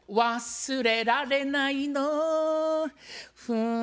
「忘れられないの」